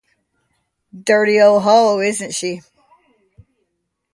Dirty old hole, isn't it?